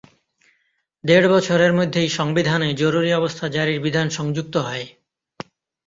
দেড় বছরের মধ্যেই সংবিধানে জরুরি অবস্থা জারির বিধান সংযুক্ত হয়।